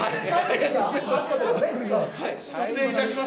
失礼いたします。